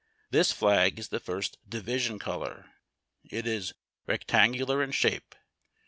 This flag is the first division color. It is rectangular in shape.